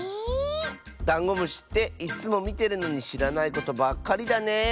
ダンゴムシっていっつもみてるのにしらないことばっかりだねえ。